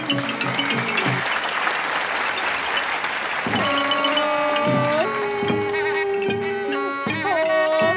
อ่าอ่าอ่า